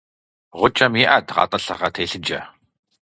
Гъукӏэм иӏэт гъэтӏылъыгъэ телъыджэ.